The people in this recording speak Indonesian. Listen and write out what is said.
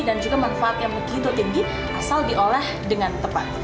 dan juga manfaat yang begitu tinggi asal diolah dengan tepat